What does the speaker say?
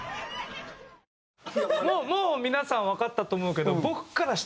もう皆さんわかったと思うけど。